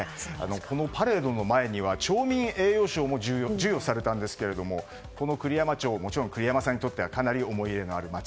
このパレードの前には町民栄誉賞も授与されたんですがこの栗山町はもちろん栗山さんにとってかなり思い入れのある町。